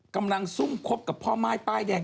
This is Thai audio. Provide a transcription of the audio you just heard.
กำลังซุ่มครบกับพ่อไม้ป้ายแดง